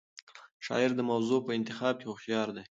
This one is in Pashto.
شاعر د موضوع په انتخاب کې هوښیار دی.